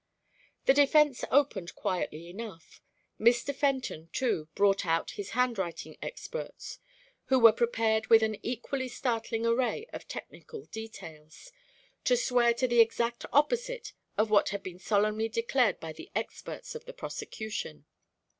The defense opened quietly enough. Mr. Fenton, too, brought out his handwriting experts, who were prepared with an equally startling array of technical details, to swear to the exact opposite of what had been solemnly declared by the experts for the prosecution.